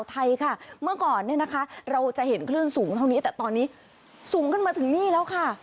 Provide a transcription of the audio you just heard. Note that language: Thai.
สูงกันมาถึงนี่แล้วค่ะ